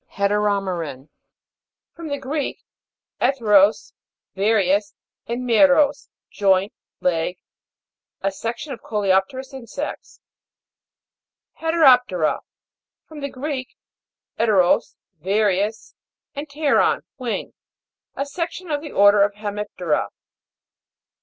HETEROME'RAN. From the Greek, 'eteros, various, and meros, joint, leg. A section of coleop'terous insects. HETEROP'TERA. From the Greek, 'eteros, various, and pteron, wing. A section of the order Hemip'tera.